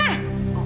gak mau ma